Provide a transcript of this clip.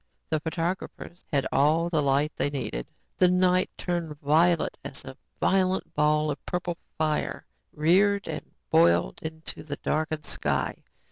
The photographers had all the light they needed! The night turned violet as a violent ball of purple fire reared and boiled into the darkened sky.